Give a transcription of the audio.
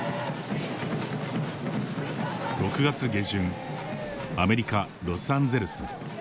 ６月下旬アメリカ・ロサンゼルス。